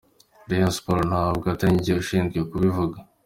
Rayon Sports nubwo atari njye ushinzwe kubivuga”.